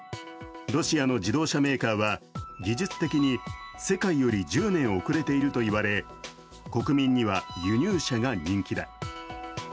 ロシアの自動車メーカーは技術的に世界より１０年遅れていると言われ、国民には輸入車が人気だ。